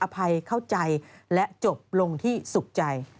ภัยเข้าใจและจบลงที่สุขใจ